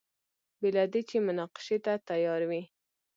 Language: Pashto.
بې له دې چې مناقشې ته تیار وي.